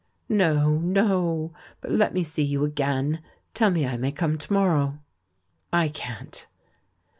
"No, no. But let me see you again. Tell me I may come to morrow." I can t.